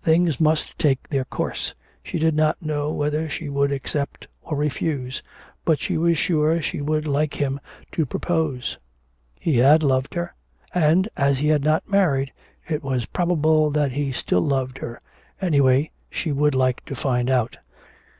Things must take their course, she did not know whether she would accept or refuse: but she was sure she would like him to propose. He had loved her, and, as he had not married, it was probable that he still loved her, anyway she would like to find out.